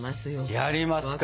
やりますか！